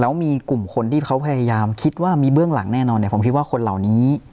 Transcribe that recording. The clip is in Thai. แล้วมีกลุ่มคนที่เขาพยายามคิดว่ามีเบื้องหลังแน่นอนเนี่ยผมคิดว่าคนเหล่านี้